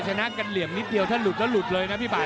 ชนะกันเหลี่ยมนิดเดียวถ้าหลุดแล้วหลุดเลยนะพี่ป่า